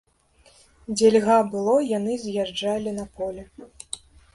Дзе льга было, яны з'язджалі на поле.